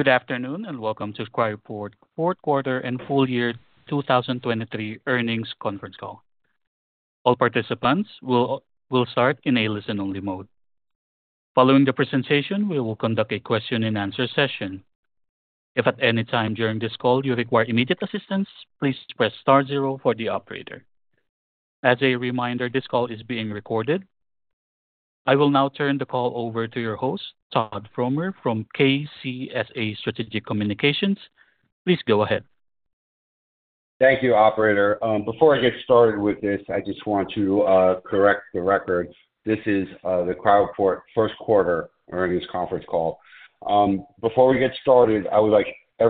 Good afternoon and welcome to Cryoport fourth quarter and full year 2023 earnings conference call. All participants will start in a listen-only mode. Following the presentation, we will conduct a question-and-answer session. If at any time during this call you require immediate assistance, please press star zero for the operator. As a reminder, this call is being recorded. I will now turn the call over to your host, Todd Fromer, from KCSA Strategic Communications. Please go ahead. Thank you, operator. Before I get started with this, I just want to correct the record. This is the Cryoport first quarter earnings conference call. Before we get started, I would like to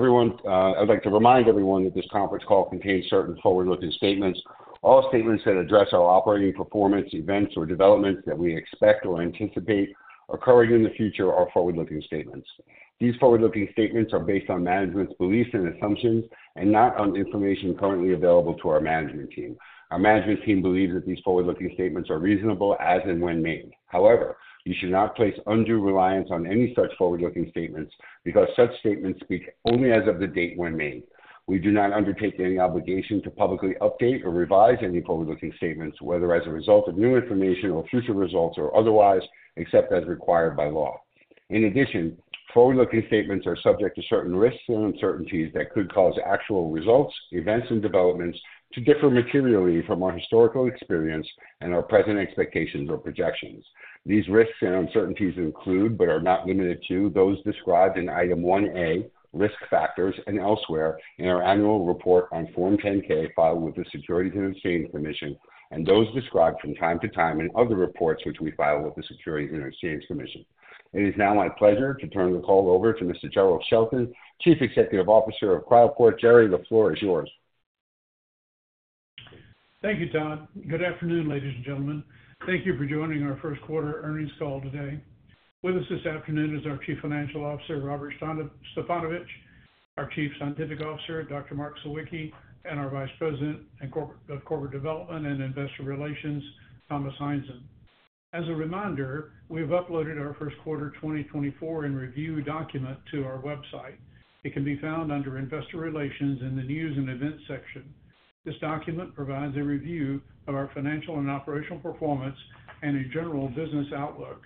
remind everyone that this conference call contains certain forward-looking statements. All statements that address our operating performance, events, or developments that we expect or anticipate occurring in the future are forward-looking statements. These forward-looking statements are based on management's beliefs and assumptions, and not on information currently available to our management team. Our management team believes that these forward-looking statements are reasonable as and when made. However, you should not place undue reliance on any such forward-looking statements because such statements speak only as of the date when made. We do not undertake any obligation to publicly update or revise any forward-looking statements, whether as a result of new information or future results or otherwise, except as required by law. In addition, forward-looking statements are subject to certain risks and uncertainties that could cause actual results, events, and developments to differ materially from our historical experience and our present expectations or projections. These risks and uncertainties include, but are not limited to, those described in Item 1A, Risk Factors, and elsewhere in our annual report on Form 10-K filed with the Securities and Exchange Commission, and those described from time to time in other reports which we file with the Securities and Exchange Commission. It is now my pleasure to turn the call over to Mr. Jerrell Shelton, Chief Executive Officer of Cryoport. Jerrell, the floor is yours. Thank you, Todd. Good afternoon, ladies and gentlemen. Thank you for joining our first quarter earnings call today. With us this afternoon is our Chief Financial Officer, Robert Stefanovich, our Chief Scientific Officer, Dr. Mark Sawicki, and our Vice President of Corporate Development and Investor Relations, Thomas Heinzen. As a reminder, we have uploaded our first quarter 2024 and review document to our website. It can be found under Investor Relations in the News and Events section. This document provides a review of our financial and operational performance and a general business outlook.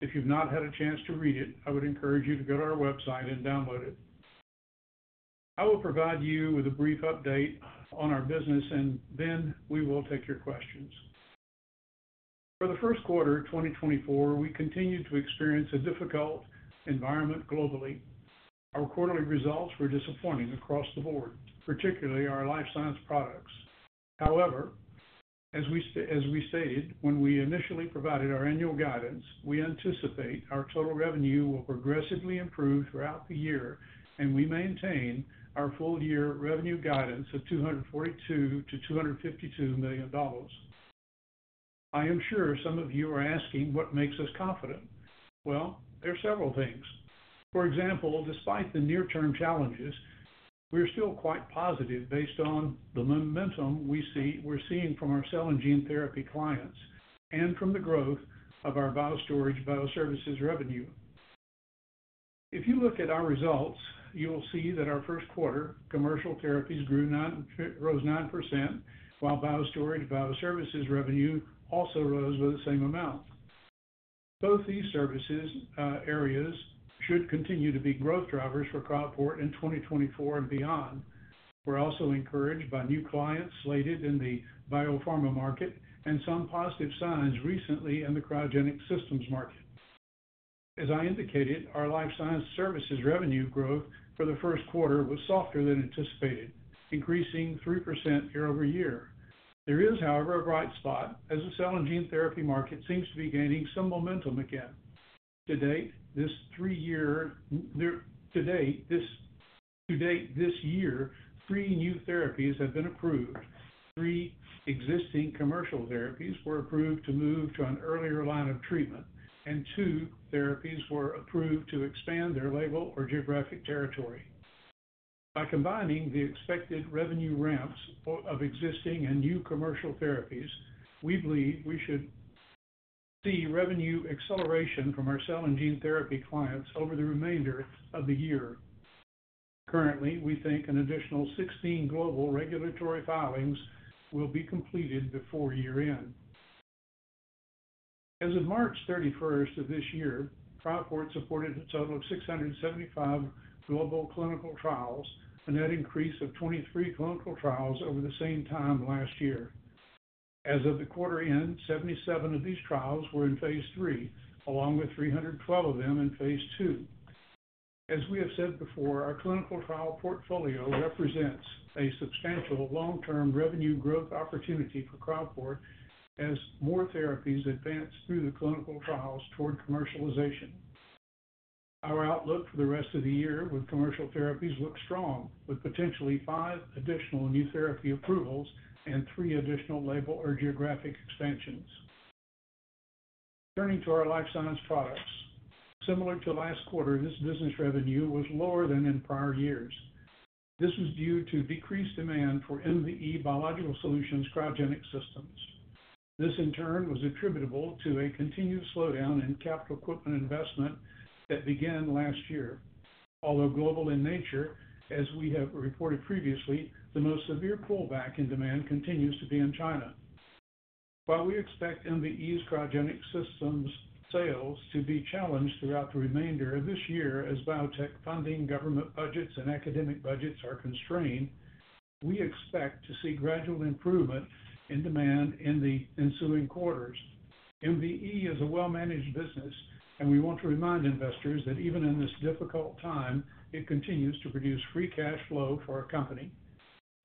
If you've not had a chance to read it, I would encourage you to go to our website and download it. I will provide you with a brief update on our business, and then we will take your questions. For the first quarter 2024, we continued to experience a difficult environment globally. Our quarterly results were disappointing across the board, particularly our life science products. However, as we stated when we initially provided our annual guidance, we anticipate our total revenue will progressively improve throughout the year, and we maintain our full-year revenue guidance of $242 million-$252 million. I am sure some of you are asking what makes us confident. Well, there are several things. For example, despite the near-term challenges, we are still quite positive based on the momentum we're seeing from our cell and gene therapy clients and from the growth of our Biostorage BioServices revenue. If you look at our results, you will see that our first quarter, commercial therapies grew 9%, while Biostorage and BioServices revenue also rose by the same amount. Both these services areas should continue to be growth drivers for Cryoport in 2024 and beyond. We're also encouraged by new clients slated in the biopharma market and some positive signs recently in the cryogenic systems market. As I indicated, our life science services revenue growth for the first quarter was softer than anticipated, increasing 3% year-over-year. There is, however, a bright spot as the cell and gene therapy market seems to be gaining some momentum again. To date, this year, three new therapies have been approved. Three existing commercial therapies were approved to move to an earlier line of treatment, and two therapies were approved to expand their label or geographic territory. By combining the expected revenue ramps of existing and new commercial therapies, we believe we should see revenue acceleration from our cell and gene therapy clients over the remainder of the year. Currently, we think an additional 16 global regulatory filings will be completed before year-end. As of March 31st of this year, Cryoport supported a total of 675 global clinical trials, an added increase of 23 clinical trials over the same time last year. As of the quarter-end, 77 of these trials were in phase III, along with 312 of them in phase II. As we have said before, our clinical trial portfolio represents a substantial long-term revenue growth opportunity for Cryoport as more therapies advance through the clinical trials toward commercialization. Our outlook for the rest of the year with commercial therapies looks strong, with potentially five additional new therapy approvals and three additional label or geographic expansions. Turning to our Life Sciences Products. Similar to last quarter, this business revenue was lower than in prior years. This was due to decreased demand for MVE Biological Solutions cryogenic systems. This, in turn, was attributable to a continued slowdown in capital equipment investment that began last year, although global in nature, as we have reported previously, the most severe pullback in demand continues to be in China. While we expect MVE's cryogenic systems sales to be challenged throughout the remainder of this year as biotech funding, government budgets, and academic budgets are constrained, we expect to see gradual improvement in demand in the ensuing quarters. MVE is a well-managed business, and we want to remind investors that even in this difficult time, it continues to produce free cash flow for our company.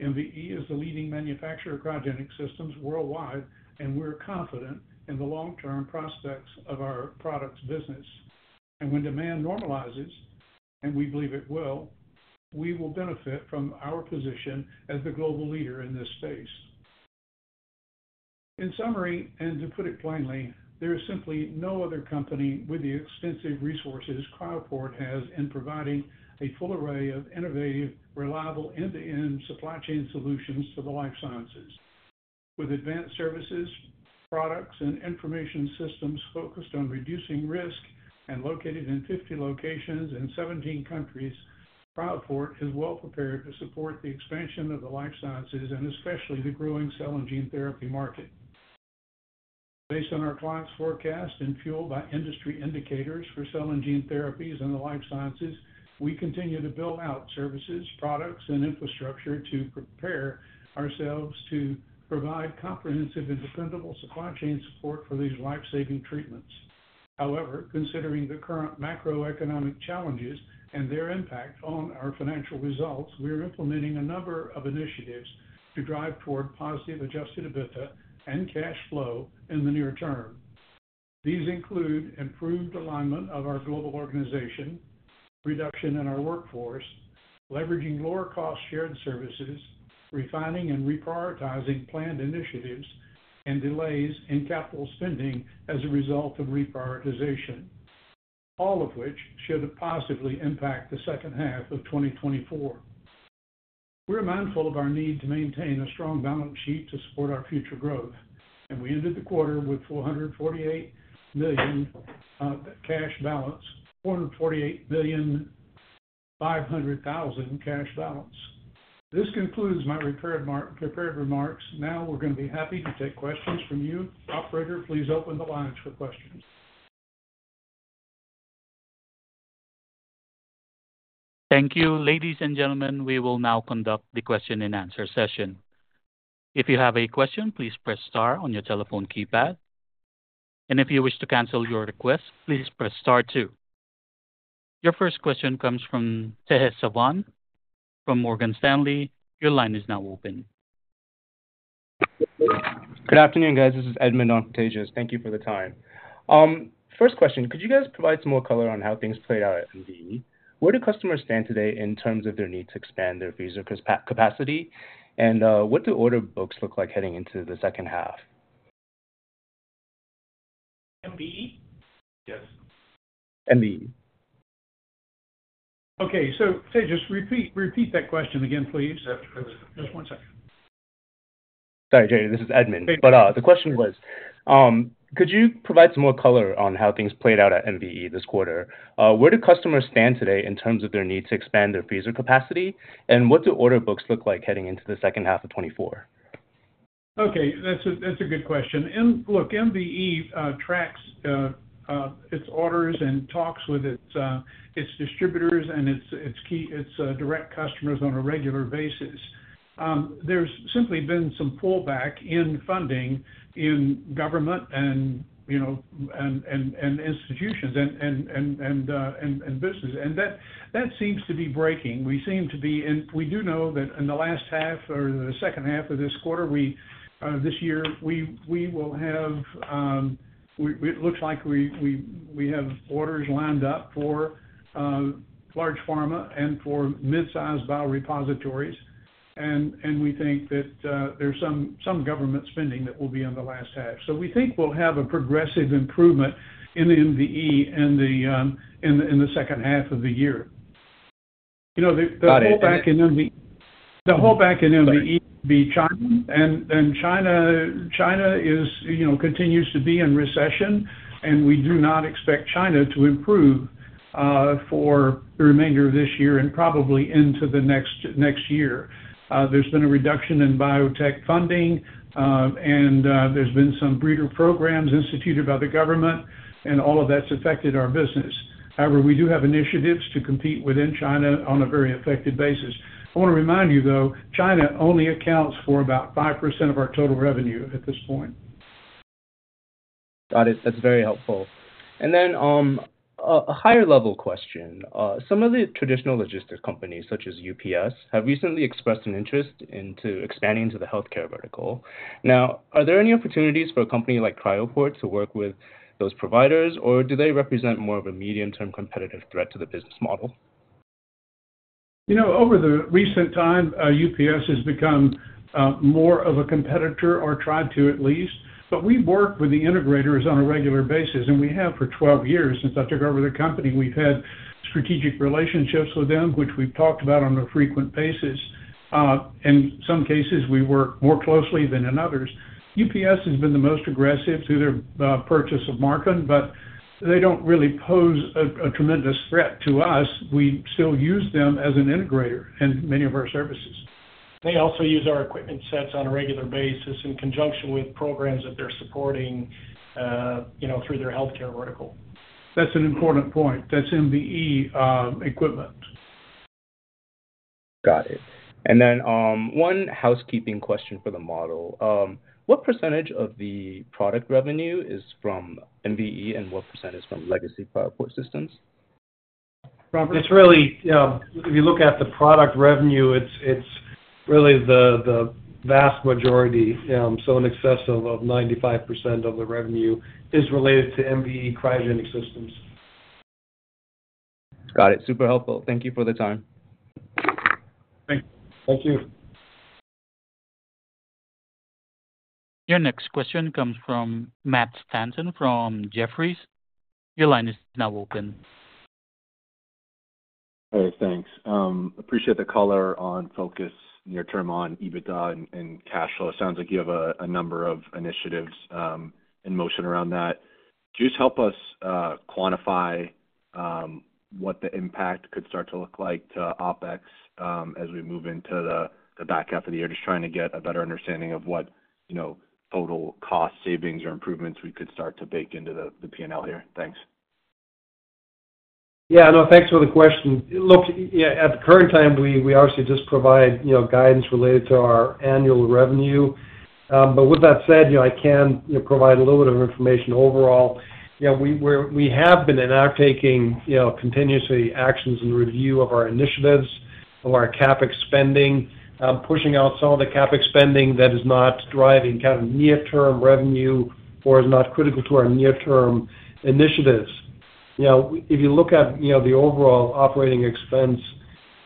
MVE is the leading manufacturer of cryogenic systems worldwide, and we're confident in the long-term prospects of our products business. When demand normalizes, and we believe it will, we will benefit from our position as the global leader in this space. In summary, and to put it plainly, there is simply no other company with the extensive resources Cryoport has in providing a full array of innovative, reliable, end-to-end supply chain solutions to the life sciences. With advanced services, products, and information systems focused on reducing risk and located in 50 locations in 17 countries, Cryoport is well prepared to support the expansion of the life sciences and especially the growing cell and gene therapy market. Based on our clients' forecast and fueled by industry indicators for cell and gene therapies and the life sciences, we continue to build out services, products, and infrastructure to prepare ourselves to provide comprehensive, independent supply chain support for these life-saving treatments. However, considering the current macroeconomic challenges and their impact on our financial results, we are implementing a number of initiatives to drive toward positive Adjusted EBITDA and cash flow in the near term. These include improved alignment of our global organization, reduction in our workforce, leveraging lower-cost shared services, refining and reprioritizing planned initiatives, and delays in capital spending as a result of reprioritization, all of which should positively impact the second half of 2024. We are mindful of our need to maintain a strong balance sheet to support our future growth, and we ended the quarter with $448 million cash balance, $448.5 million cash balance. This concludes my prepared remarks. Now we're going to be happy to take questions from you. Operator, please open the lines for questions. Thank you. Ladies and gentlemen, we will now conduct the question-and-answer session. If you have a question, please press star on your telephone keypad. And if you wish to cancel your request, please press star two. Your first question comes from Tejas Savant from Morgan Stanley. Your line is now open. Good afternoon, guys. This is Edmund on for Tejas. Thank you for the time. First question, could you guys provide some more color on how things played out at MVE? Where do customers stand today in terms of their need to expand their fees or capacity, and what do order books look like heading into the second half? MVE? Yeah, MVE. Okay. So, Tejas, repeat that question again, please. Just one second. Sorry, Jerell. This is Edmund. But the question was, could you provide some more color on how things played out at MVE this quarter? Where do customers stand today in terms of their need to expand their fees or capacity, and what do order books look like heading into the second half of 2024? Okay. That's a good question. Look, MVE tracks its orders and talks with its distributors and its direct customers on a regular basis. There's simply been some pullback in funding in government and institutions and businesses, and that seems to be breaking. We seem to be in. We do know that in the last half or the second half of this quarter this year, we will have. It looks like we have orders lined up for large pharma and for midsize biorepositories, and we think that there's some government spending that will be in the last half. So we think we'll have a progressive improvement in the MVE in the second half of the year. The pullback in MVE. Got it. The pullback in MVE would be China, and China continues to be in recession, and we do not expect China to improve for the remainder of this year and probably into the next year. There's been a reduction in biotech funding, and there's been some breeder programs instituted by the government, and all of that's affected our business. However, we do have initiatives to compete within China on a very effective basis. I want to remind you, though, China only accounts for about 5% of our total revenue at this point. Got it. That's very helpful. And then a higher-level question. Some of the traditional logistics companies, such as UPS, have recently expressed an interest in expanding into the healthcare vertical. Now, are there any opportunities for a company like Cryoport to work with those providers, or do they represent more of a medium-term competitive threat to the business model? Over the recent time, UPS has become more of a competitor or tried to, at least. But we work with the integrators on a regular basis, and we have for 12 years since I took over the company. We've had strategic relationships with them, which we've talked about on a frequent basis. In some cases, we work more closely than in others. UPS has been the most aggressive through their purchase of Marken, but they don't really pose a tremendous threat to us. We still use them as an integrator in many of our services. They also use our equipment sets on a regular basis in conjunction with programs that they're supporting through their healthcare vertical. That's an important point. That's MVE equipment. Got it. And then one housekeeping question for the model. What percentage of the product revenue is from MVE, and what percent is from legacy Cryoport systems? Robert. It's really, if you look at the product revenue, it's really the vast majority, so in excess of 95% of the revenue, is related to MVE cryogenic systems. Got it. Super helpful. Thank you for the time. Thank you. Thank you. Your next question comes from Matt Stanton from Jefferies. Your line is now open. All right. Thanks. Appreciate the color on focus near-term on EBITDA and cash flow. It sounds like you have a number of initiatives in motion around that. Could you just help us quantify what the impact could start to look like to OpEx as we move into the back half of the year, just trying to get a better understanding of what total cost savings or improvements we could start to bake into the P&L here? Thanks. Yeah. No. Thanks for the question. Look, at the current time, we obviously just provide guidance related to our annual revenue. But with that said, I can provide a little bit of information overall. We have been undertaking continuous actions and review of our initiatives, of our CapEx spending, pushing out some of the CapEx spending that is not driving kind of near-term revenue or is not critical to our near-term initiatives. If you look at the overall operating expense,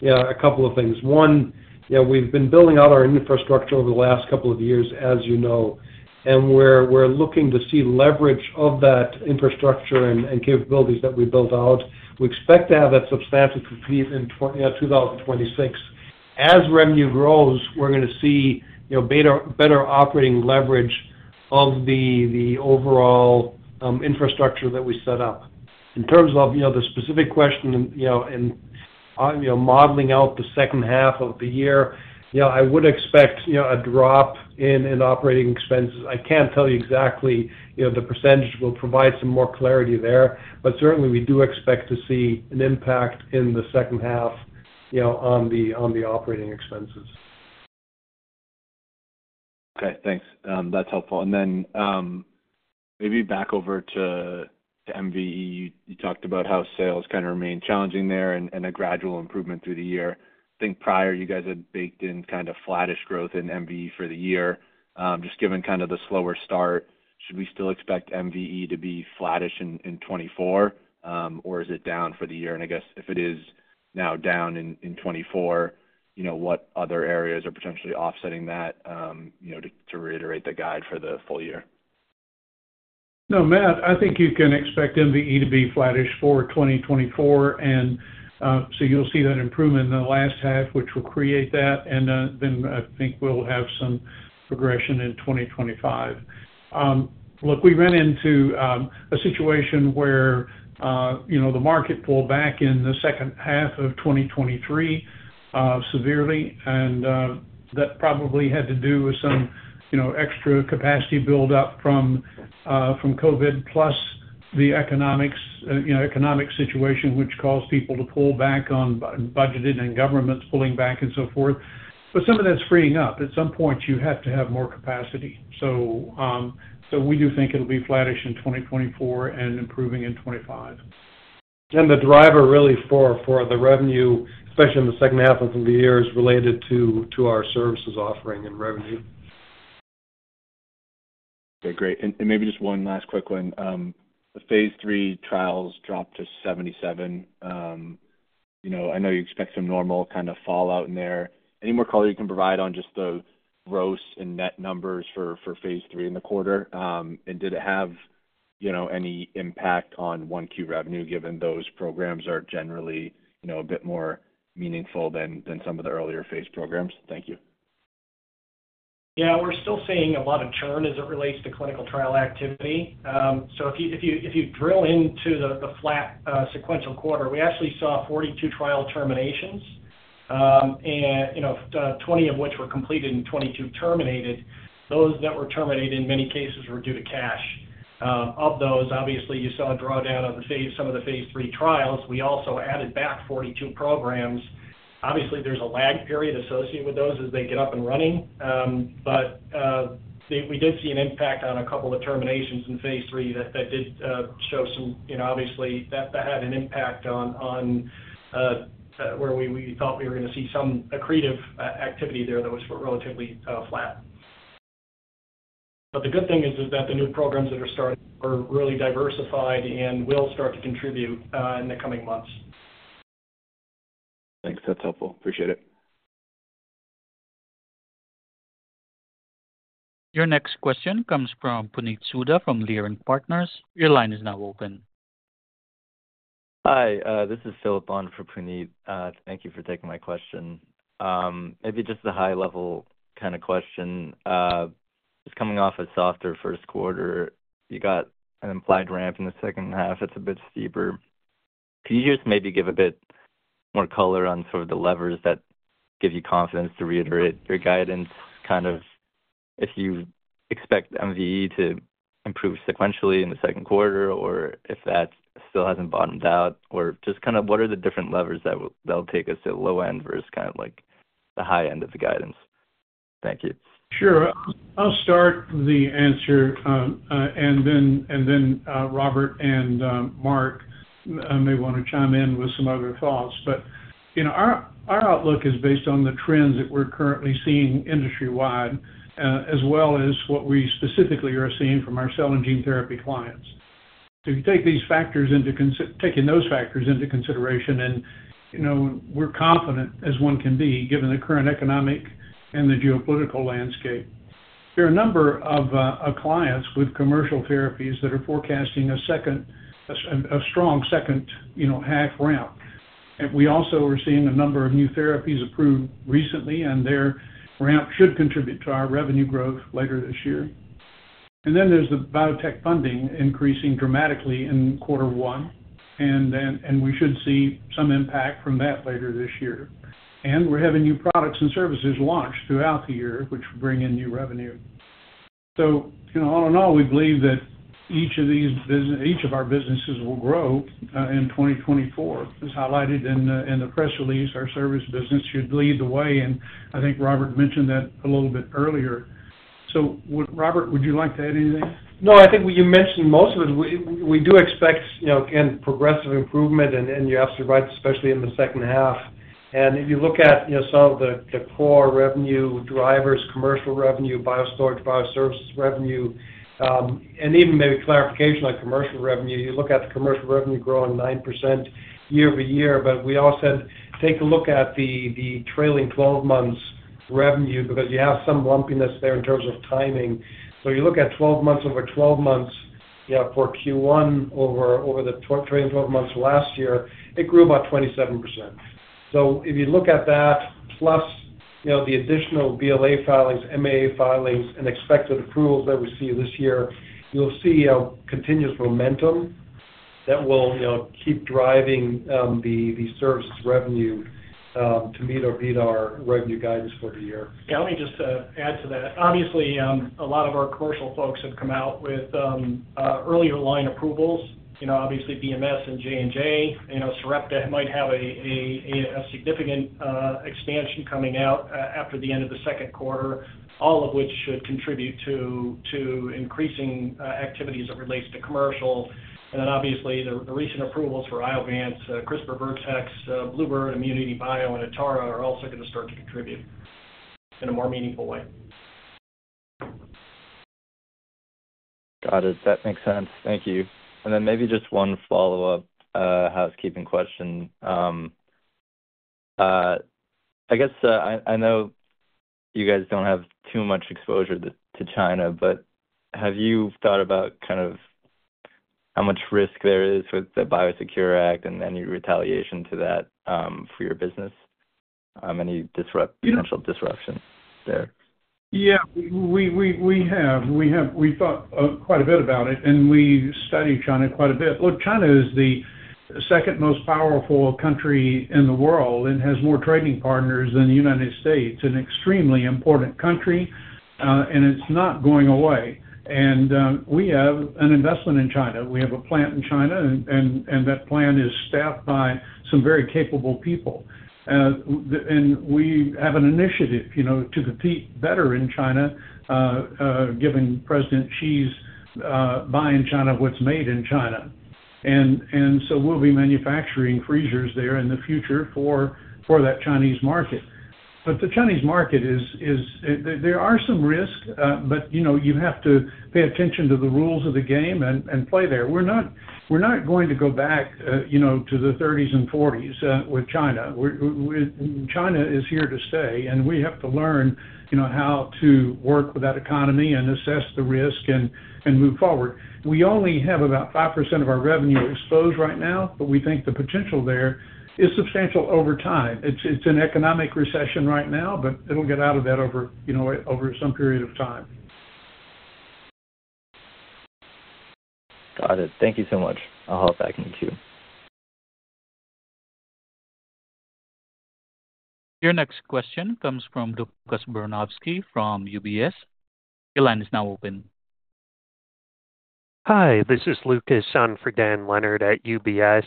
a couple of things. One, we've been building out our infrastructure over the last couple of years, as you know, and we're looking to see leverage of that infrastructure and capabilities that we built out. We expect to have that substantial completion in 2026. As revenue grows, we're going to see better operating leverage of the overall infrastructure that we set up. In terms of the specific question and modeling out the second half of the year, I would expect a drop in operating expenses. I can't tell you exactly the percentage. We'll provide some more clarity there, but certainly, we do expect to see an impact in the second half on the operating expenses. Okay. Thanks. That's helpful. And then maybe back over to MVE. You talked about how sales kind of remain challenging there and a gradual improvement through the year. I think prior, you guys had baked in kind of flattish growth in MVE for the year. Just given kind of the slower start, should we still expect MVE to be flattish in 2024, or is it down for the year? And I guess if it is now down in 2024, what other areas are potentially offsetting that to reiterate the guide for the full year? No, Matt. I think you can expect MVE to be flattish for 2024, and so you'll see that improvement in the last half, which will create that. And then I think we'll have some progression in 2025. Look, we ran into a situation where the market pulled back in the second half of 2023 severely, and that probably had to do with some extra capacity buildup from COVID plus the economic situation, which caused people to pull back on budgeting and governments pulling back and so forth. But some of that's freeing up. At some point, you have to have more capacity. So we do think it'll be flattish in 2024 and improving in 2025. And the driver really for the revenue, especially in the second half of the year, is related to our services offering and revenue. Okay. Great. And maybe just one last quick one. The phase III trials dropped to 77. I know you expect some normal kind of fallout in there. Any more color you can provide on just the gross and net numbers for phase III in the quarter? And did it have any impact on 1Q revenue given those programs are generally a bit more meaningful than some of the earlier phase programs? Thank you. Yeah. We're still seeing a lot of churn as it relates to clinical trial activity. So if you drill into the flat sequential quarter, we actually saw 42 trial terminations, 20 of which were completed and 22 terminated. Those that were terminated, in many cases, were due to cash. Of those, obviously, you saw a drawdown of some of the phase III trials. We also added back 42 programs. Obviously, there's a lag period associated with those as they get up and running, but we did see an impact on a couple of terminations in phase III that did show some obviously, that had an impact on where we thought we were going to see some accretive activity there that was relatively flat. But the good thing is that the new programs that are started were really diversified and will start to contribute in the coming months. Thanks. That's helpful. Appreciate it. Your next question comes from Puneet Souda from Leerink Partners. Your line is now open. Hi. This is Philip on for Puneet. Thank you for taking my question. Maybe just a high-level kind of question. Just coming off a softer first quarter, you got an implied ramp in the second half. It's a bit steeper. Could you just maybe give a bit more color on sort of the levers that give you confidence to reiterate your guidance, kind of if you expect MVE to improve sequentially in the second quarter or if that still hasn't bottomed out, or just kind of what are the different levers that'll take us to the low end versus kind of the high end of the guidance? Thank you. Sure. I'll start the answer, and then Robert and Mark may want to chime in with some other thoughts. But our outlook is based on the trends that we're currently seeing industry-wide as well as what we specifically are seeing from our cell and gene therapy clients. So if you take these factors into consideration, and we're confident as one can be given the current economic and the geopolitical landscape, there are a number of clients with commercial therapies that are forecasting a strong second-half ramp. And we also are seeing a number of new therapies approved recently, and their ramp should contribute to our revenue growth later this year. And then there's the biotech funding increasing dramatically in quarter one, and we should see some impact from that later this year. We're having new products and services launched throughout the year, which bring in new revenue. So all in all, we believe that each of these each of our businesses will grow in 2024. It's highlighted in the press release. Our service business should lead the way, and I think Robert mentioned that a little bit earlier. So Robert, would you like to add anything? No. I think you mentioned most of it. We do expect, again, progressive improvement, and you absolutely right, especially in the second half. And if you look at some of the core revenue drivers, commercial revenue, Biostorage, BioServices revenue, and even maybe clarification on commercial revenue, you look at the commercial revenue growing 9% year-over-year. But we also said, "Take a look at the trailing 12 months' revenue because you have some lumpiness there in terms of timing." So you look at 12 months over 12 months. For Q1 over the trailing 12 months last year, it grew about 27%. So if you look at that plus the additional BLA filings, MAA filings, and expected approvals that we see this year, you'll see continuous momentum that will keep driving the services revenue to meet or beat our revenue guidance for the year. Yeah. Let me just add to that. Obviously, a lot of our commercial folks have come out with earlier line approvals. Obviously, BMS and J&J, Sarepta might have a significant expansion coming out after the end of the second quarter, all of which should contribute to increasing activities that relate to commercial. And then obviously, the recent approvals for Iovance, CRISPR Vertex, Bluebird, ImmunityBio, and Atara are also going to start to contribute in a more meaningful way. Got it. That makes sense. Thank you. And then maybe just one follow-up housekeeping question. I guess I know you guys don't have too much exposure to China, but have you thought about kind of how much risk there is with the Biosecure Act and any retaliation to that for your business, any potential disruption there? Yeah. We have. We thought quite a bit about it, and we study China quite a bit. Look, China is the second most powerful country in the world and has more trading partners than the United States. An extremely important country, and it's not going away. And we have an investment in China. We have a plant in China, and that plant is staffed by some very capable people. And we have an initiative to compete better in China given President Xi's buying China what's made in China. And so we'll be manufacturing freezers there in the future for that Chinese market. But the Chinese market, there are some risks, but you have to pay attention to the rules of the game and play there. We're not going to go back to the 1930s and 1940s with China. China is here to stay, and we have to learn how to work with that economy and assess the risk and move forward. We only have about 5% of our revenue exposed right now, but we think the potential there is substantial over time. It's an economic recession right now, but it'll get out of that over some period of time. Got it. Thank you so much. I'll hop back into the queue. Your next question comes from Lucas Baranowski from UBS. Your line is now open. Hi. This is Lucas on for Dan at UBS.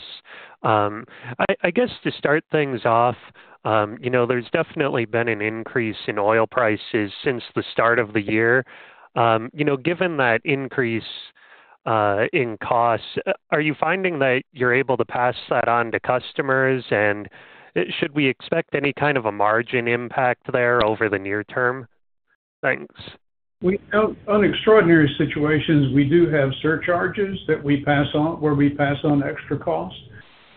I guess to start things off, there's definitely been an increase in oil prices since the start of the year. Given that increase in costs, are you finding that you're able to pass that on to customers, and should we expect any kind of a margin impact there over the near term? Thanks. On extraordinary situations, we do have surcharges where we pass on extra costs.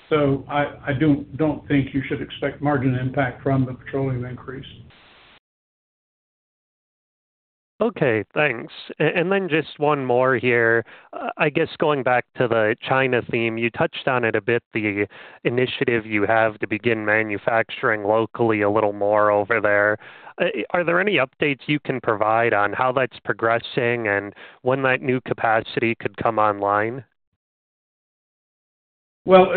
So I don't think you should expect margin impact from the petroleum increase. Okay. Thanks. And then just one more here. I guess going back to the China theme, you touched on it a bit, the initiative you have to begin manufacturing locally a little more over there. Are there any updates you can provide on how that's progressing and when that new capacity could come online? Well,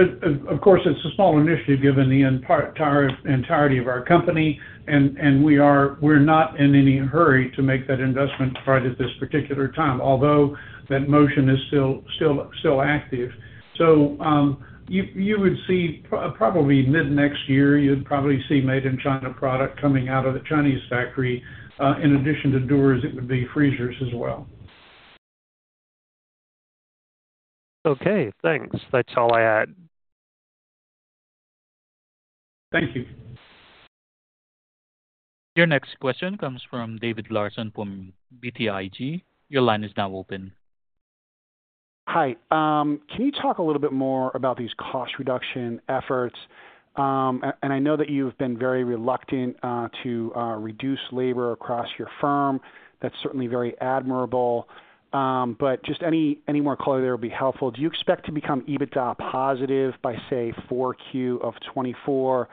of course, it's a small initiative given the entirety of our company, and we're not in any hurry to make that investment right at this particular time, although that motion is still active. So you would see probably mid-next year, you'd probably see made-in-China product coming out of the Chinese factory. In addition to doors, it would be freezers as well. Okay. Thanks. That's all I had. Thank you. Your next question comes from David Larsen from BTIG. Your line is now open. Hi. Can you talk a little bit more about these cost reduction efforts? And I know that you've been very reluctant to reduce labor across your firm. That's certainly very admirable. But just any more color there would be helpful. Do you expect to become EBITDA positive by, say, 4Q of 2024,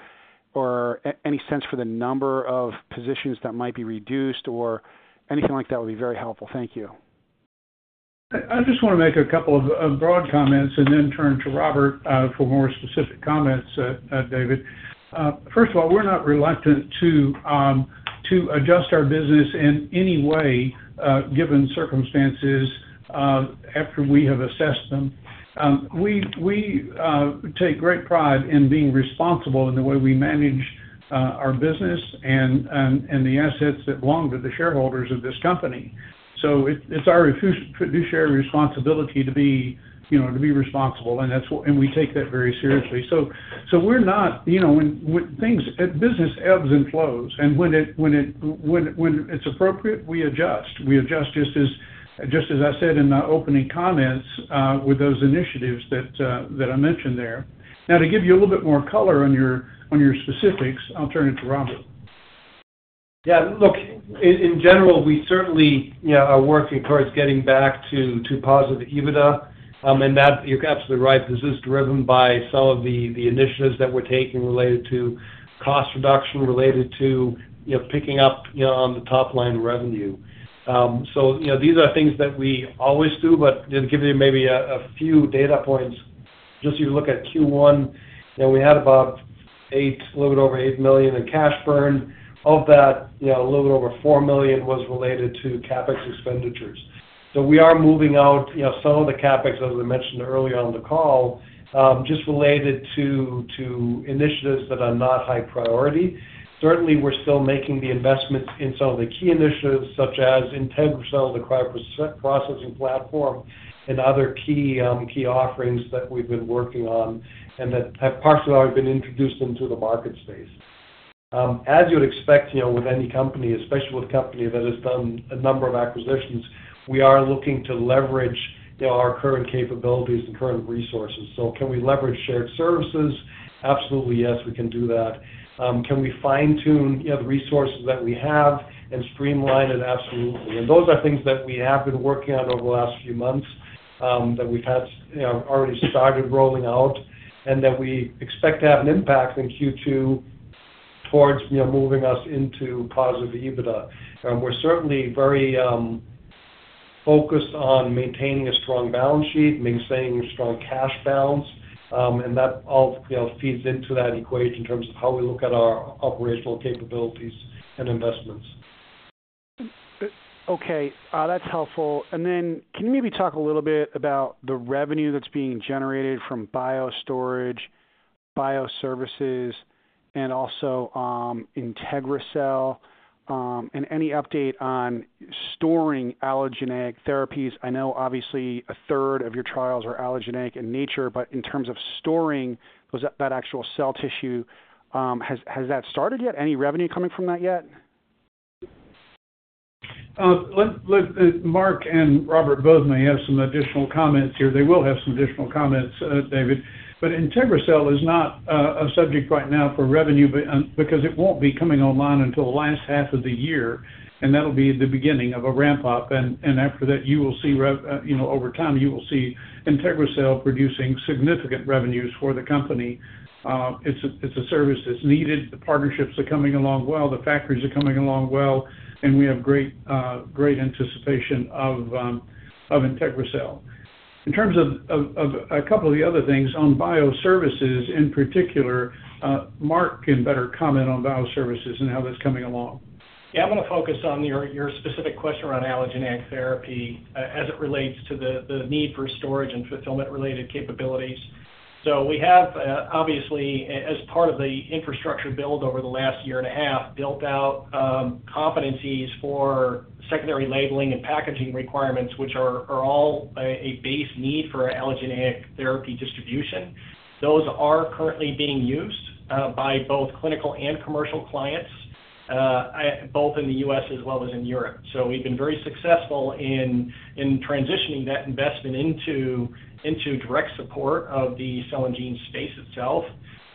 or any sense for the number of positions that might be reduced, or anything like that would be very helpful? Thank you. I just want to make a couple of broad comments and then turn to Robert for more specific comments, David. First of all, we're not reluctant to adjust our business in any way given circumstances after we have assessed them. We take great pride in being responsible in the way we manage our business and the assets that belong to the shareholders of this company. So it's our fiduciary responsibility to be responsible, and we take that very seriously. So we're not when business ebbs and flows, and when it's appropriate, we adjust. We adjust just as I said in the opening comments with those initiatives that I mentioned there. Now, to give you a little bit more color on your specifics, I'll turn it to Robert. Yeah. Look, in general, we certainly are working towards getting back to positive EBITDA. You're absolutely right. This is driven by some of the initiatives that we're taking related to cost reduction, related to picking up on the top-line revenue. These are things that we always do, but to give you maybe a few data points, just if you look at Q1, we had about a little bit over $8 million in cash burned. Of that, a little bit over $4 million was related to CapEx expenditures. So we are moving out some of the CapEx, as I mentioned earlier on the call, just related to initiatives that are not high priority. Certainly, we're still making the investments in some of the key initiatives such as IntegriCell cryopreservation platform and other key offerings that we've been working on and that have partially already been introduced into the market space. As you would expect with any company, especially with a company that has done a number of acquisitions, we are looking to leverage our current capabilities and current resources. So can we leverage shared services? Absolutely, yes. We can do that. Can we fine-tune the resources that we have and streamline it? Absolutely. And those are things that we have been working on over the last few months that we've already started rolling out and that we expect to have an impact in Q2 towards moving us into positive EBITDA. We're certainly very focused on maintaining a strong balance sheet, maintaining a strong cash balance, and that all feeds into that equation in terms of how we look at our operational capabilities and investments. Okay. That's helpful. And then can you maybe talk a little bit about the revenue that's being generated from Biostorage, BioServices, and also IntegriCell, and any update on storing allogeneic therapies? I know, obviously, a third of your trials are allogeneic in nature, but in terms of storing that actual cell tissue, has that started yet? Any revenue coming from that yet? Mark and Robert both may have some additional comments here. They will have some additional comments, David. But IntegriCell is not a subject right now for revenue because it won't be coming online until the last half of the year, and that'll be the beginning of a ramp-up. And after that, you will see over time, you will see IntegriCell producing significant revenues for the company. It's a service that's needed. The partnerships are coming along well. The factories are coming along well, and we have great anticipation of IntegriCell. In terms of a couple of the other things, on BioServices in particular, Mark can better comment on BioServices and how that's coming along. Yeah. I'm going to focus on your specific question around allogeneic therapy as it relates to the need for storage and fulfillment-related capabilities. So we have, obviously, as part of the infrastructure build over the last year and a half, built out competencies for secondary labeling and packaging requirements, which are all a base need for allogeneic therapy distribution. Those are currently being used by both clinical and commercial clients, both in the U.S. as well as in Europe. So we've been very successful in transitioning that investment into direct support of the cell and gene space itself.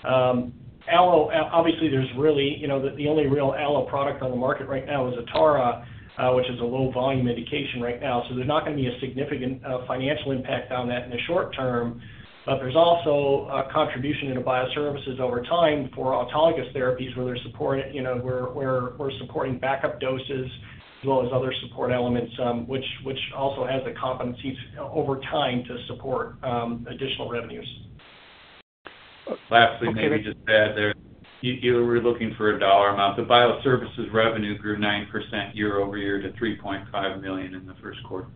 Obviously, there's really the only real allogeneic product on the market right now is Atara, which is a low-volume medication right now. There's not going to be a significant financial impact on that in the short term, but there's also a contribution into BioServices over time for autologous therapies where we're supporting backup doses as well as other support elements, which also has the competencies over time to support additional revenues. Last thing that you just said there, you were looking for a dollar amount. The BioServices revenue grew 9% year-over-year to $3.5 million in the first quarter.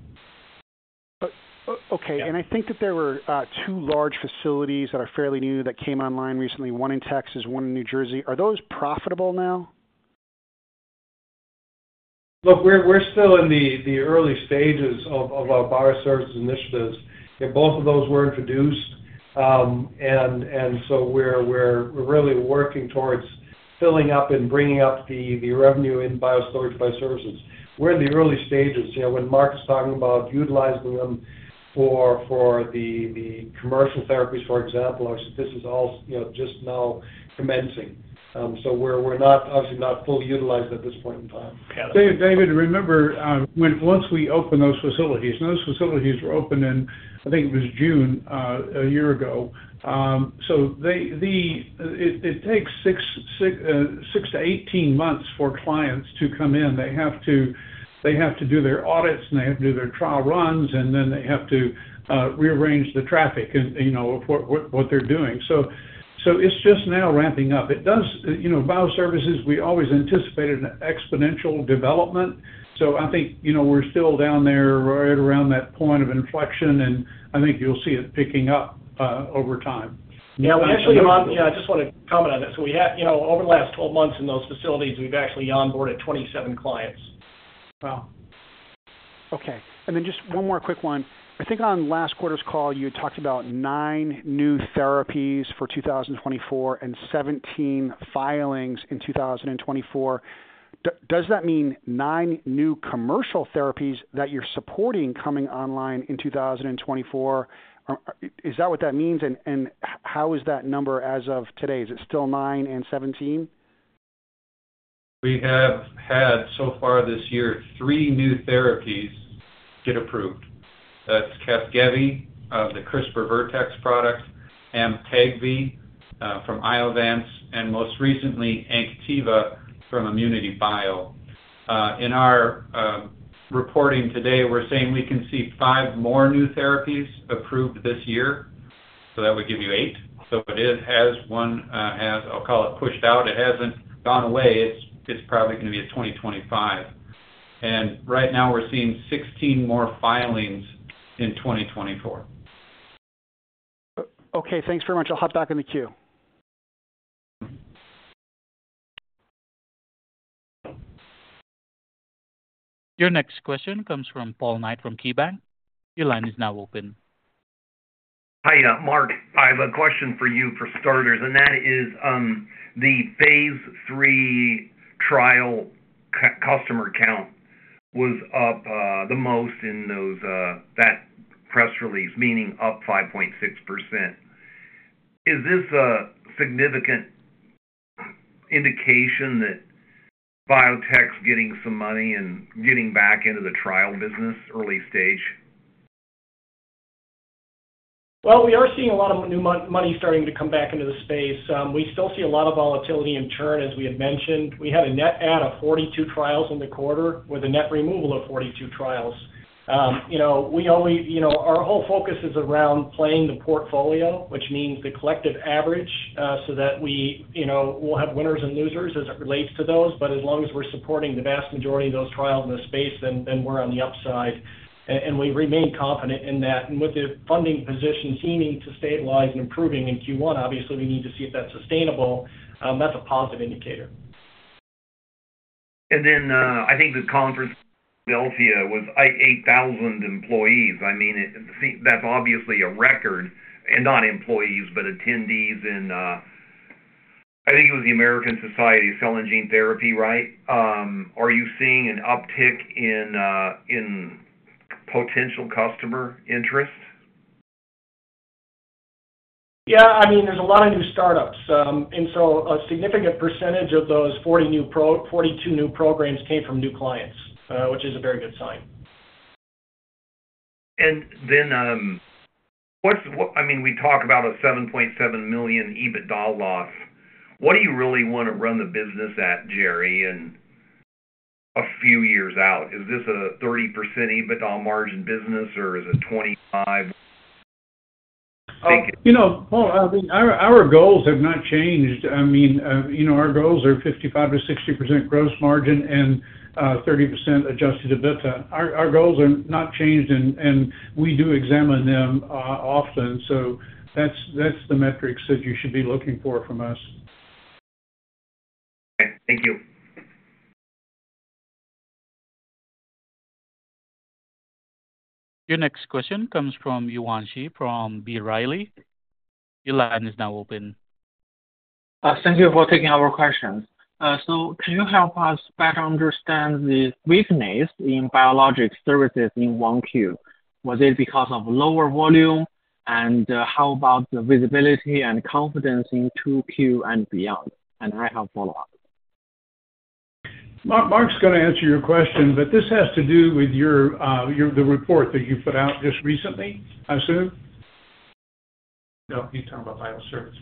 Okay. And I think that there were two large facilities that are fairly new that came online recently, one in Texas, one in New Jersey. Are those profitable now? Look, we're still in the early stages of our BioServices initiatives. Both of those were introduced, and so we're really working towards filling up and bringing up the revenue in Biostorage BioServices. We're in the early stages. When Mark is talking about utilizing them for the commercial therapies, for example, I said this is all just now commencing. So we're obviously not fully utilized at this point in time. Yeah. David, remember, once we opened those facilities and those facilities were opened in, I think it was June, a year ago. So it takes 6 months-18 months for clients to come in. They have to do their audits, and they have to do their trial runs, and then they have to rearrange the traffic of what they're doing. So it's just now ramping up. BioServices, we always anticipated an exponential development. So I think we're still down there right around that point of inflection, and I think you'll see it picking up over time. Yeah. I just want to comment on that. Over the last 12 months in those facilities, we've actually onboarded 27 clients. Wow. Okay. And then just one more quick one. I think on last quarter's call, you had talked about 9 new therapies for 2024 and 17 filings in 2024. Does that mean nine new commercial therapies that you're supporting coming online in 2024? Is that what that means, and how is that number as of today? Is it still nine and 17? We have had, so far this year, three new therapies get approved. That's Casgevy, the CRISPR-Vertex product, Amtagvi from Iovance, and most recently, Anktiva from Immunity Bio. In our reporting today, we're saying we can see five more new therapies approved this year. So that would give you eight. So it has one I'll call it pushed out. It hasn't gone away. It's probably going to be a 2025. And right now, we're seeing 16 more filings in 2024. Okay. Thanks very much. I'll hop back in the queue. Your next question comes from Paul Knight from KeyBanc. Your line is now open. Hi, Mark. I have a question for you for starters, and that is the phase III trial customer count was up the most in that press release, meaning up 5.6%. Is this a significant indication that biotech's getting some money and getting back into the trial business early stage? Well, we are seeing a lot of new money starting to come back into the space. We still see a lot of volatility in churn, as we had mentioned. We had a net add of 42 trials in the quarter with a net removal of 42 trials. We always, our whole focus is around playing the portfolio, which means the collective average so that we'll have winners and losers as it relates to those. But as long as we're supporting the vast majority of those trials in the space, then we're on the upside. And we remain confident in that. And with the funding position seeming to stabilize and improving in Q1, obviously, we need to see if that's sustainable. That's a positive indicator. And then I think the conference in Philadelphia was 8,000 employees. I mean, that's obviously a record, and not employees, but attendees in I think it was the American Society of Cell and Gene Therapy, right? Are you seeing an uptick in potential customer interest? Yeah. I mean, there's a lot of new startups. And so a significant percentage of those 42 new programs came from new clients, which is a very good sign. And then I mean, we talk about a $7.7 million EBITDA loss. What do you really want to run the business at, Jerrell, in a few years out? Is this a 30% EBITDA margin business, or is it 25%? Paul, I mean, our goals have not changed. I mean, our goals are 55%-60% gross margin and 30% Adjusted EBITDA. Our goals are not changed, and we do examine them often. So that's the metrics that you should be looking for from us. All right. Thank you. Your next question comes from Yuan Zhi from B. Riley. Your line is now open. Thank you for taking our questions. Can you help us better understand the weakness in biologic services in 1Q? Was it because of lower volume, and how about the visibility and confidence in 2Q and beyond? I have follow-up. Mark's going to answer your question, but this has to do with the report that you put out just recently, I assume? No, you're talking about BioServices.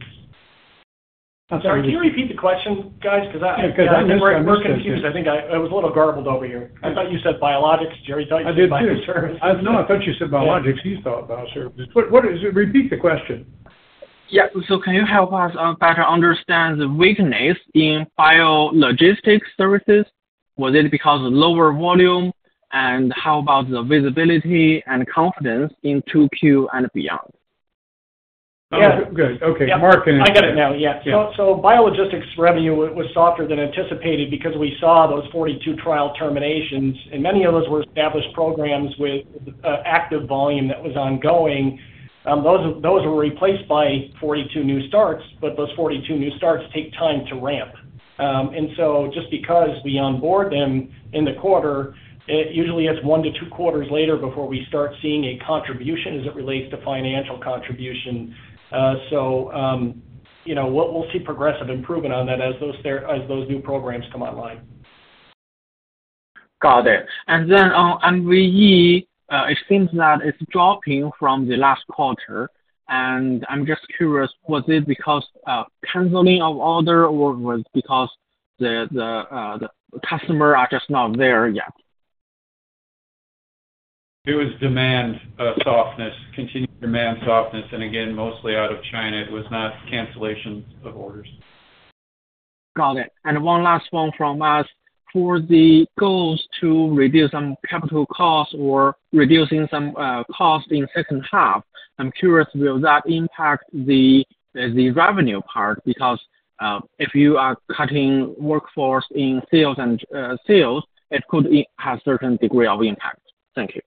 I'm sorry. Can you repeat the question, guys, because I'm just confused? I think I was a little garbled over here. I thought you said biologics. Jerrell thought you said BioServices. I did too. No, I thought you said biologics. You thought BioServices. Repeat the question? Yeah. So can you help us better understand the weakness in biologistics services? Was it because of lower volume, and how about the visibility and confidence in 2Q and beyond? Yeah. Good. Okay. Mark can. Yeah. I got it now. Yeah. So biologistics revenue was softer than anticipated because we saw those 42 trial terminations. And many of those were established programs with active volume that was ongoing. Those were replaced by 42 new starts, but those 42 new starts take time to ramp. And so just because we onboard them in the quarter, usually, it's one to two quarters later before we start seeing a contribution as it relates to financial contribution. So we'll see progressive improvement on that as those new programs come online. Got it. And then MVE, it seems that it's dropping from the last quarter. And I'm just curious, was it because canceling of order, or was it because the customers are just not there yet? It was demand softness, continued demand softness, and again, mostly out of China. It was not cancellations of orders. Got it. One last one from us. For the goals to reduce some capital costs or reducing some costs in second half, I'm curious, will that impact the revenue part? Because if you are cutting workforce in sales, it could have a certain degree of impact. Thank you.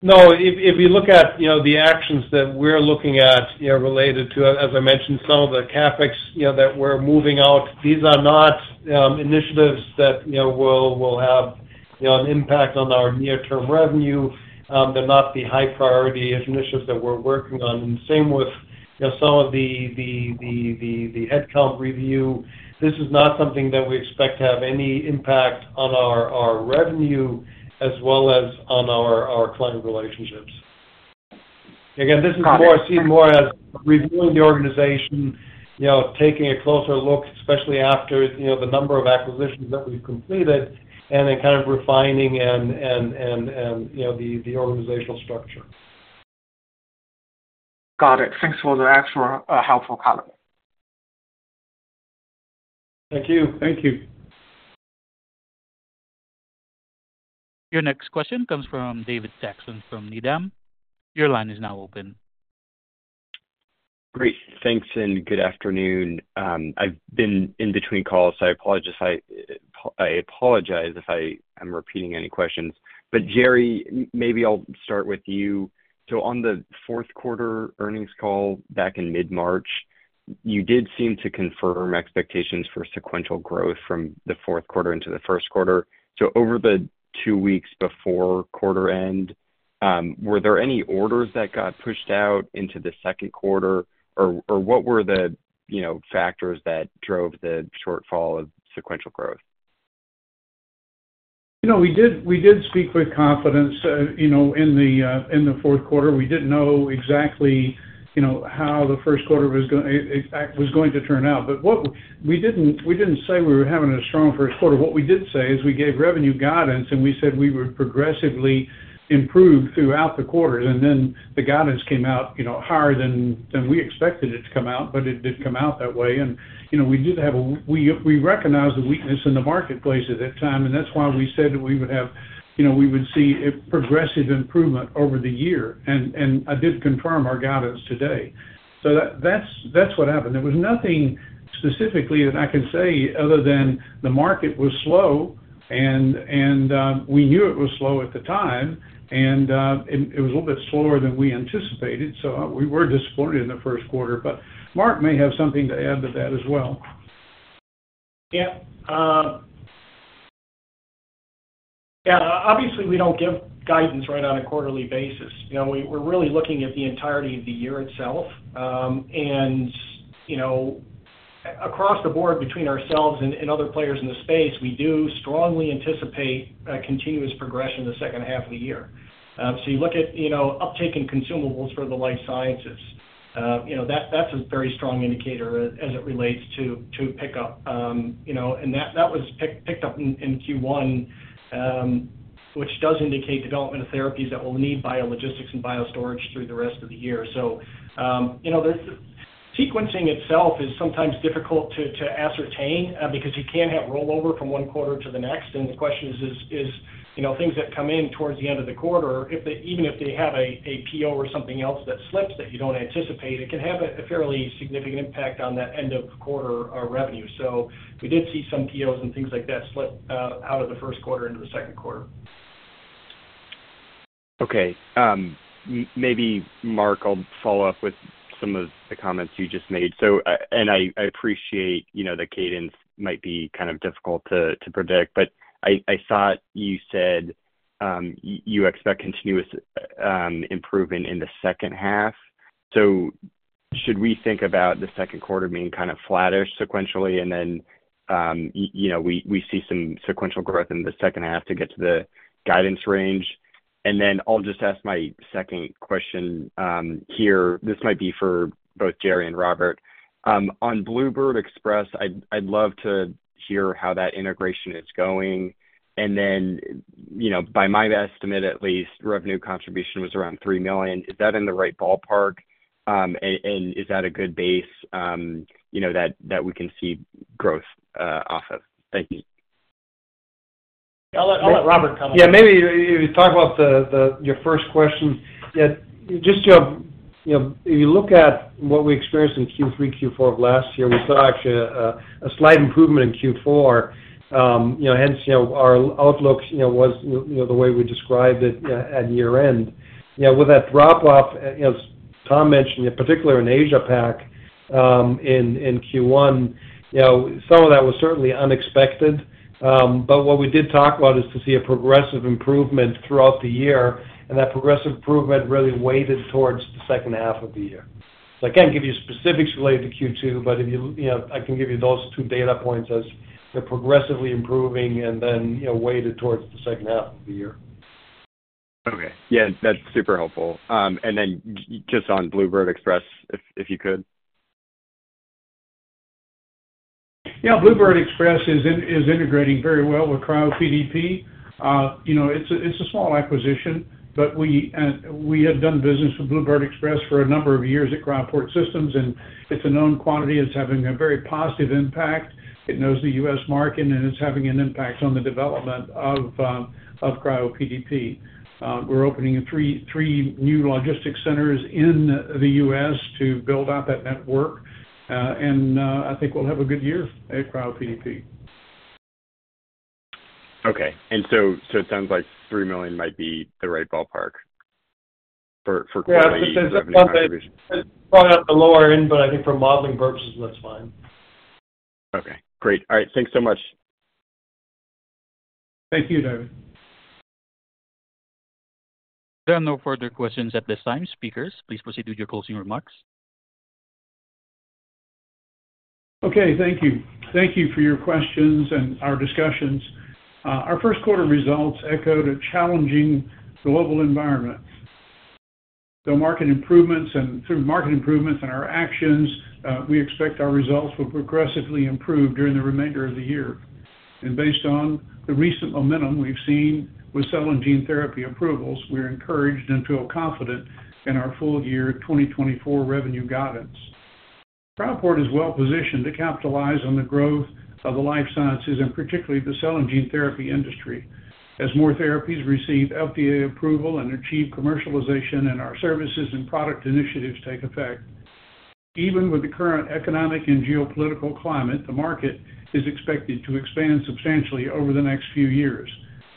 No. If you look at the actions that we're looking at related to, as I mentioned, some of the CapEx that we're moving out, these are not initiatives that will have an impact on our near-term revenue. They're not the high-priority initiatives that we're working on. Same with some of the headcount review. This is not something that we expect to have any impact on our revenue as well as on our client relationships. Again, this is seen more as reviewing the organization, taking a closer look, especially after the number of acquisitions that we've completed, and then kind of refining the organizational structure. Got it. Thanks for the actual helpful color. Thank you. Thank you. Your next question comes from David Saxon from Needham. Your line is now open. Great. Thanks, and good afternoon. I've been in between calls, so I apologize if I am repeating any questions. But Jerrell, maybe I'll start with you. So on the fourth-quarter earnings call back in mid-March, you did seem to confirm expectations for sequential growth from the fourth quarter into the first quarter. So over the two weeks before quarter end, were there any orders that got pushed out into the second quarter, or what were the factors that drove the shortfall of sequential growth? We did speak with confidence in the fourth quarter. We didn't know exactly how the first quarter was going to turn out. But we didn't say we were having a strong first quarter. What we did say is we gave revenue guidance, and we said we would progressively improve throughout the quarters. And then the guidance came out higher than we expected it to come out, but it did come out that way. And we recognized the weakness in the marketplace at that time, and that's why we said that we would see progressive improvement over the year. And I did confirm our guidance today. So that's what happened. There was nothing specifically that I can say other than the market was slow, and we knew it was slow at the time, and it was a little bit slower than we anticipated. We were disappointed in the first quarter. Mark may have something to add to that as well. Yeah. Yeah. Obviously, we don't give guidance right on a quarterly basis. We're really looking at the entirety of the year itself. Across the board, between ourselves and other players in the space, we do strongly anticipate continuous progression in the second half of the year. So you look at uptake in consumables for the life sciences. That's a very strong indicator as it relates to pickup. And that was picked up in Q1, which does indicate development of therapies that will need biologistics and Biostorage through the rest of the year. So sequencing itself is sometimes difficult to ascertain because you can't have rollover from one quarter to the next. The question is, is things that come in towards the end of the quarter, even if they have a PO or something else that slips that you don't anticipate, it can have a fairly significant impact on that end-of-quarter revenue. So we did see some POs and things like that slip out of the first quarter into the second quarter. Okay. Maybe, Mark, I'll follow up with some of the comments you just made. I appreciate the cadence might be kind of difficult to predict, but I thought you said you expect continuous improvement in the second half. So should we think about the second quarter being kind of flatter sequentially, and then we see some sequential growth in the second half to get to the guidance range? I'll just ask my second question here. This might be for both Jerrell and Robert. On Bluebird Express, I'd love to hear how that integration is going. And then by my estimate, at least, revenue contribution was around $3 million. Is that in the right ballpark, and is that a good base that we can see growth off of? Thank you. I'll let Robert come up. Yeah. Maybe talk about your first question. Just if you look at what we experienced in Q3, Q4 of last year, we saw actually a slight improvement in Q4. Hence, our outlook was the way we described it at year-end. With that drop-off, as Tom mentioned, particularly in AsiaPac in Q1, some of that was certainly unexpected. But what we did talk about is to see a progressive improvement throughout the year, and that progressive improvement really weighted towards the second half of the year. So I can't give you specifics related to Q2, but I can give you those two data points as they're progressively improving and then weighted towards the second half of the year. Okay. Yeah. That's super helpful. And then just on Bluebird Express, if you could. Yeah. Bluebird Express is integrating very well with CryoPDP. It's a small acquisition, but we had done business with Bluebird Express for a number of years at Cryoport Systems, and it's a known quantity. It's having a very positive impact. It knows the U.S. market, and it's having an impact on the development of CryoPDP. We're opening three new logistics centers in the U.S. to build out that network, and I think we'll have a good year at CryoPDP. Okay. It sounds like $3 million might be the right ballpark for quality and revenue contribution. Yeah. This is probably on the lower end, but I think for modeling purposes, that's fine. Okay. Great. All right. Thanks so much. Thank you, David. There are no further questions at this time, speakers. Please proceed with your closing remarks. Okay. Thank you. Thank you for your questions and our discussions. Our first quarter results echoed a challenging global environment. So through market improvements and our actions, we expect our results will progressively improve during the remainder of the year. And based on the recent momentum we've seen with cell and gene therapy approvals, we're encouraged and feel confident in our full-year 2024 revenue guidance. Cryoport is well-positioned to capitalize on the growth of the life sciences and particularly the cell and gene therapy industry. As more therapies receive FDA approval and achieve commercialization and our services and product initiatives take effect, even with the current economic and geopolitical climate, the market is expected to expand substantially over the next few years,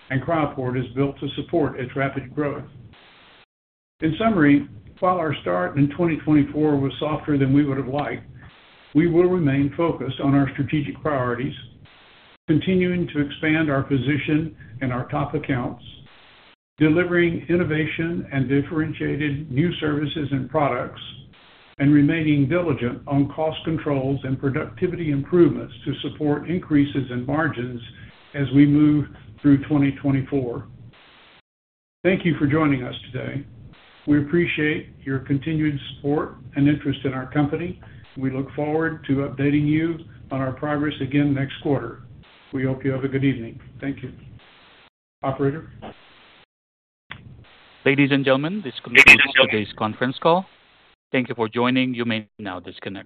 and Cryoport is built to support its rapid growth. In summary, while our start in 2024 was softer than we would have liked, we will remain focused on our strategic priorities, continuing to expand our position and our top accounts, delivering innovation and differentiated new services and products, and remaining diligent on cost controls and productivity improvements to support increases in margins as we move through 2024. Thank you for joining us today. We appreciate your continued support and interest in our company. We look forward to updating you on our progress again next quarter. We hope you have a good evening. Thank you. Operator. Ladies and gentlemen, this concludes today's conference call. Thank you for joining. You may now disconnect.